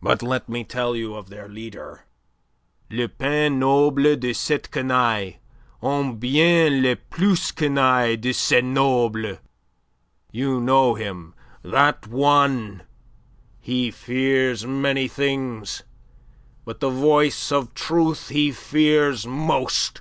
"But let me tell you of their leader le pins noble de cette canaille, ou bien le plus canaille de ces nobles! You know him that one. He fears many things, but the voice of truth he fears most.